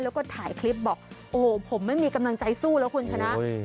แล้วก็ถ่ายคลิปบอกโอ้โหผมไม่มีกำลังใจสู้แล้วคุณชนะ